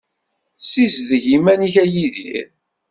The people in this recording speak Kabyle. Ssizdeg iman-ik a Yidir.